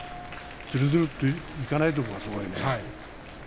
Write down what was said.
ずるずるっといかないところがすごいね。